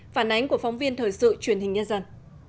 phản ánh của phóng viên thời sự truyền hình nhân dân